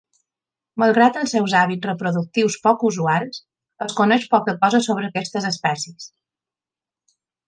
Malgrat els seus hàbits reproductius poc usuals, es coneix poca cosa sobre aquestes espècies.